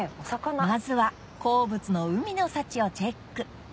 まずは好物の海の幸をチェック